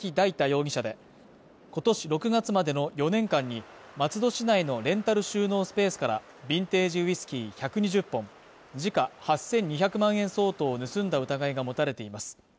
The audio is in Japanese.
容疑者でことし６月までの４年間に松戸市内のレンタル収納スペースからビンテージウイスキー１２０本時価８２００万円相当を盗んだ疑いが持たれています